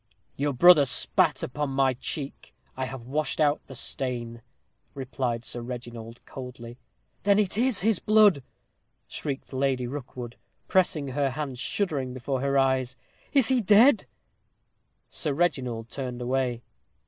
"Your brother spat upon my check. I have washed out the stain," replied Sir Reginald, coldly. "Then it is his blood!" shrieked Lady Rookwood, pressing her hand shuddering before her eyes. "Is he dead?" Sir Reginald turned away.